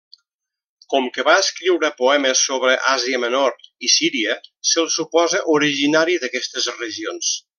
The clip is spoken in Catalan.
Com que va escriure poemes sobre Àsia Menor i Síria se'l suposa originari d'aquestes regions.